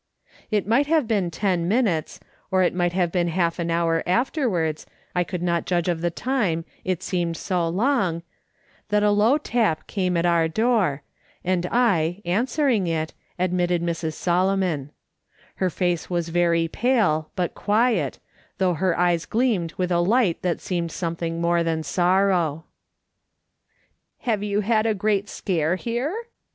It might have been ten minutes, or it might have been half an hour afterwards — I could not judge of the time, it seemed so long — that a low tap came at our door, and I. answering it, admitted Mrs. Solomon. Her face was very pale, but quiet, though her eyes gleamed with a light that seemed something more than sorrow. " Have you had a great scare here